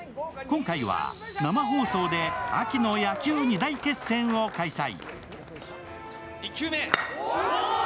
今回は、生放送で秋の野球２大決戦を開催。